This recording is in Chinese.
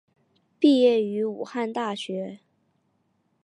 毕业于武汉大学。